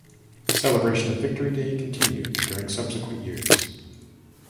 The celebration of Victory Day continued during subsequent years.